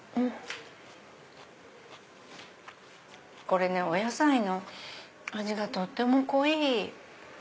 これねお野菜の味がとっても濃い。